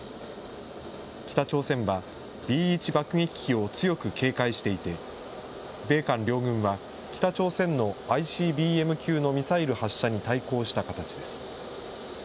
北朝鮮はＢ１爆撃機を強く警戒していて、米韓両軍は、北朝鮮のＩＣＢＭ級のミサイル発射に対抗した形です。